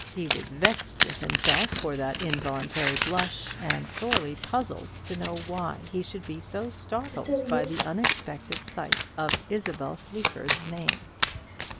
He was vexed with himself for that involuntary blush, and sorely puzzled to know why he should be so startled by the unexpected sight of Isabel Sleaford's name.